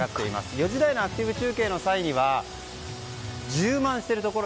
４時台のアクティブ中継の際には充満しているところ